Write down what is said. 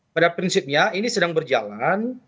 pada prinsipnya ini sedang berjalan